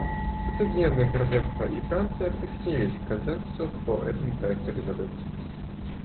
Соединенное Королевство и Франция присоединились к консенсусу по этому проекту резолюции.